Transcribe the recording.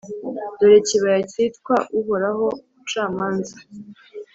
dore kibaya cyitwa «Uhoraho mucamanza».